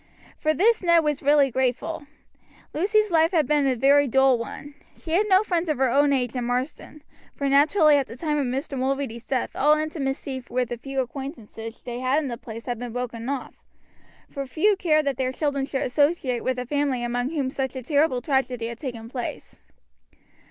For this Ned was really grateful. Lucy's life had been a very dull one. She had no friends of her own age in Marsden, for naturally at the time of Mr. Mulready's death all intimacy with the few acquaintances they had in the place had been broken off, for few cared that their children should associate with a family among whom such a terrible tragedy had taken place.